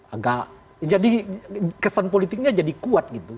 agak jadi kesan politiknya jadi kuat gitu